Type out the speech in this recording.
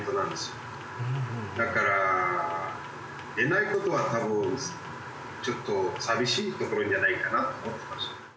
だから出ない事は多分ちょっと寂しいところじゃないかなと思ってます。